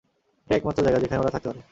এটাই একমাত্র জায়গা যেখানে ওরা থাকতে পারে!